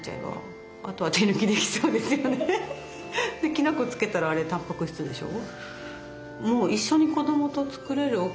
きな粉つけたらあれたんぱく質でしょ。